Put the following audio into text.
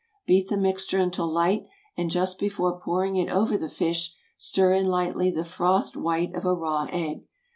Beat the mixture until light, and just before pouring it over the fish, stir in lightly the frothed white of a raw egg.